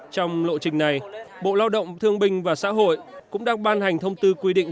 trong lộ trình này bộ lao động thương binh và xã hội cũng đang ban hành thông tư quy định